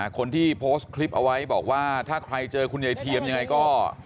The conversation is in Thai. คนที่โพสต์คลิปเอาไว้บอกว่าถ้าใครเจอคุณยายเทียมยังไงก็